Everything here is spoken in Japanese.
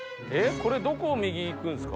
これどこを右行くんですか？